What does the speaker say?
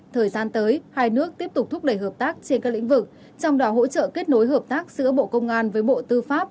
thời gian tới hai nước tiếp tục thúc đẩy hợp tác trên các lĩnh vực